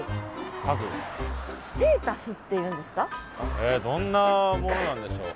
えどんなものなんでしょうか？